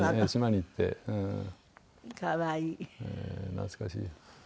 懐かしい。